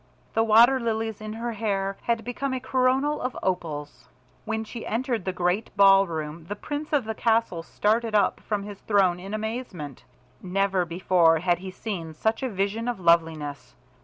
The water lilies in her hair had become a coronal of opals. When she entered the great ball room, the Prince of the castle started up from his throne in amazement. Never before had he seen such a vision of loveliness.